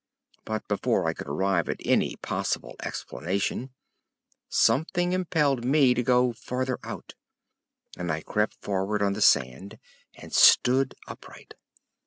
But, before I could arrive at any possible explanation, something impelled me to go farther out, and I crept forward on the sand and stood upright.